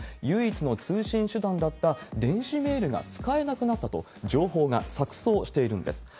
唯一の通信手段だった電子メールが使えなくなったと、情報が錯そうしているんです。